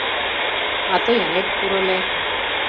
— А тый ынет пуро ыле.